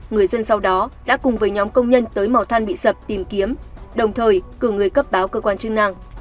người dân sau đó đã cùng với nhóm công nhân tới màu than bị sập tìm kiếm đồng thời cử người cấp báo cơ quan chức năng